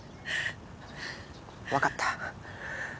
分かった